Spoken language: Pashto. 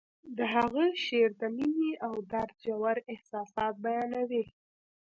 د هغه شعر د مینې او درد ژور احساسات بیانوي